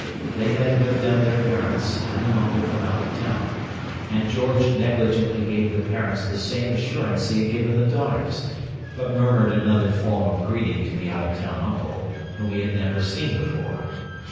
They had with them their parents and an uncle from out of town; and George negligently gave the parents the same assurance he had given the daughters, but murmured another form of greeting to the out of town uncle, whom he had never seen before.